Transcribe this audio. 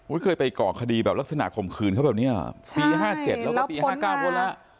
อุ้ยเคยไปก่อคดีแบบลักษณะคมคืนเขาแบบเนี้ยใช่ปีห้าเจ็ดแล้วก็ปีห้าเก้าพ้นแล้ว